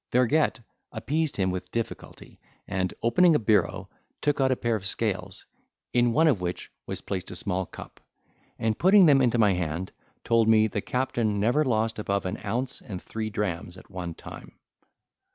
Vergette appeased him with difficulty, and, opening a bureau, took out a pair of scales, in one of which was placed a small cup; and putting them into my hand, told me, the captain never lost above an ounce and three drams at one time.